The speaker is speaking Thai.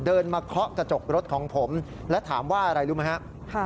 เดินมาเคาะกระจกรถของผมและถามว่าอะไรรู้ไหมครับ